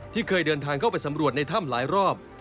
เคยเดินทางเข้าไปสำรวจในถ้ำหลายรอบ